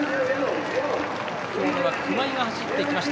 熊井が走っていきました。